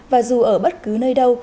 và dù ở bất cứ nơi đâu